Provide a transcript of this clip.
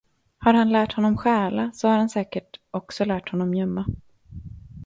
Har han lärt honom stjäla, så har han säkert också lärt honom gömma.